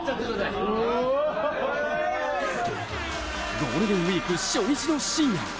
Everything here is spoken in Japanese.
ゴールデンウイーク初日の深夜。